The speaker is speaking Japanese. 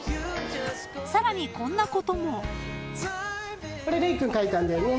［さらにこんなことも］